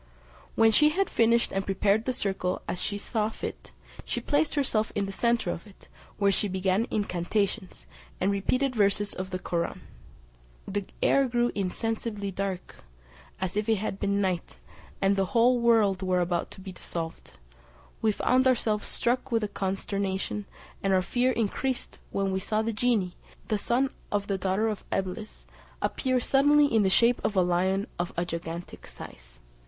When she had finished and prepared the circle as she thought fit, she placed herself in the centre of it, where she began incantations, and repeated verses of the Koraun. The air grew insensibly dark, as if it had been night, and the whole world were about to be dissolved: we found ourselves struck with consternation, and our fear increased when we saw the genie, the son of the daughter of Eblis, appear suddenly in the shape of a lion of a gigantic size.